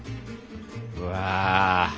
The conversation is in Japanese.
うわ。